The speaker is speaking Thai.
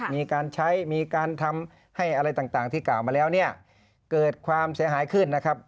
มีการใช้มีการทำให้อะไรต่างที่กล่าวมาแล้วเนี่ยเกิดความเสียหายขึ้นนะครับ